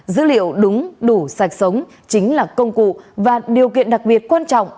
dữ liệu đúng đủ sạch sống chính là công cụ và điều kiện đặc biệt quan trọng